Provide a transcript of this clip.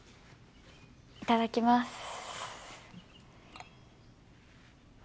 いただきます。